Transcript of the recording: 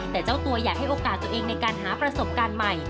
แต่เจ้าตัวอยากให้โอกาสตัวเองในการหาประสบการณ์ใหม่